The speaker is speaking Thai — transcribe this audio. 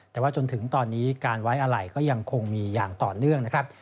แต่ว่าจนถึงตอนนี้การไว้อะไรก็ยังคงมีอย่างต่อเนื่องนะครับ